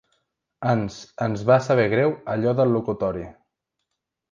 Ens, ens va saber greu allò del locutori.